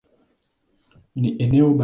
Ni eneo baridi sana.